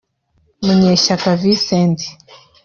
Munyeshyaka Vincent